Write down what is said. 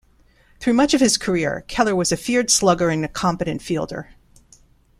Through much of his career, Keller was a feared slugger and a competent fielder.